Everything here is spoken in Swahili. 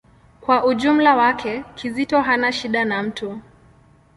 Kwa ujumla wake, Kizito hana shida na mtu.